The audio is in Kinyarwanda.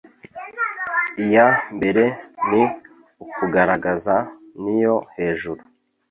iya mbere ni ukugaragaza, ni yo hejuru